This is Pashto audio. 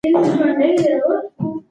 په اوبو کې غوټه وهل د اوږد عمر سبب کېږي.